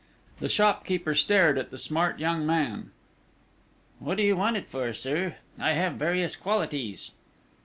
The shopkeeper stared at the smart young man: "What do you want it for, sir?... I have various qualities."